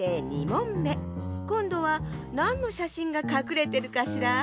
２もんめこんどはなんのしゃしんがかくれてるかしら？